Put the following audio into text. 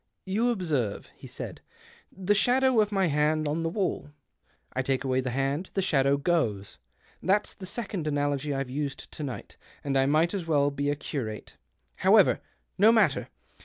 "You observe," he said, "the shadow of my hand on the wall. I take away the hand — the shadow goes. That's the second analogy I've used to night, and I might as well be a curate. However, no matter